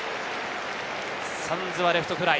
サンズはレフトフライ。